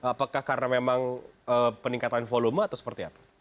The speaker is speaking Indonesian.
apakah karena memang peningkatan volume atau seperti apa